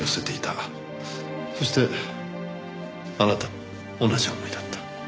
そしてあなたも同じ思いだった。